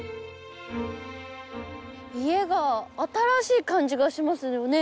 家が新しい感じがしますよね。